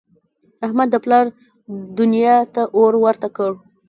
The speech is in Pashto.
احمد د پلار دونیا ته اور ورته کړ.